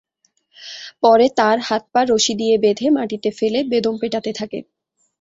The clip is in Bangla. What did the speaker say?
পরে তাঁর হাত-পা রশি দিয়ে বেঁধে মাটিতে ফেলে বেদম পেটাতে থাকেন।